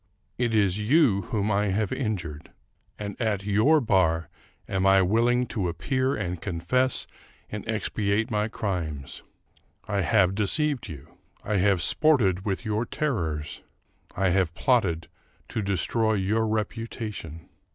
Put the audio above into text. It is you whom I have injured, and at your bar am I willing to appear and confess and expiate my crimes. I have de ceived you ; I have sported with your terrors ; I have plotted to destroy your reputation.